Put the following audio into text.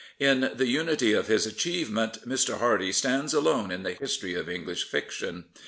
In the unity of his achievement Mr. Hardy stands alone in the history of English fiction.